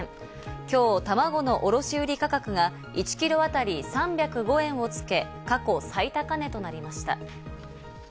今日たまごの卸売価格が１キロ当たり３０５円をつけ、過去最高値となりました。